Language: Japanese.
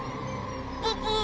ププ！